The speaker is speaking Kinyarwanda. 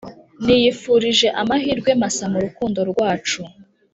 Niyifurije amahirwe masa mu rukundo rwacu